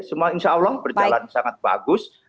semua insya allah berjalan sangat bagus